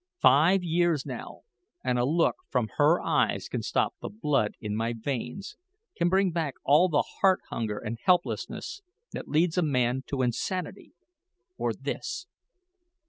Five years, now and a look from her eyes can stop the blood in my veins can bring back all the heart hunger and helplessness, that leads a man to insanity or this."